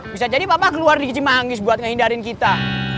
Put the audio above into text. bisa jadi papa keluar di kecik manggis buat ngehindarin kita